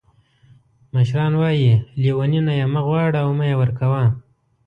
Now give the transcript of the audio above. مشران وایي لیوني نه یې مه غواړه او مه یې ورکوه.